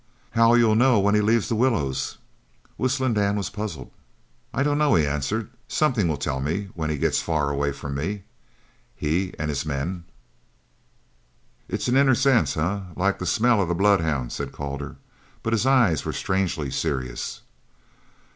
"How'll you know when he leaves the willows?" Whistling Dan was puzzled. "I dunno," he answered. "Somethin' will tell me when he gets far away from me he an' his men." "It's an inner sense, eh? Like the smell of the bloodhound?" said Calder, but his eyes were strangely serious.